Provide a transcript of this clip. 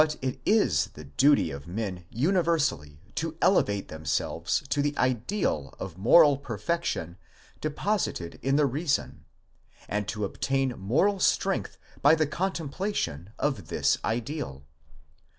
nothing ; but it zs the duty of men universally to elevate themselves to the ideal of moral perfection deposited in the reason, and to obtain moral strength by the contemplation of this ideal.